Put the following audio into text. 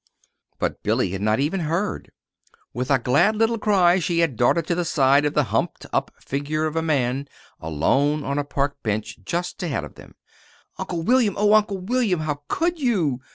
But Billy had not even heard. With a glad little cry she had darted to the side of the humped up figure of a man alone on a park bench just ahead of them. "Uncle William! Oh, Uncle William, how could you?"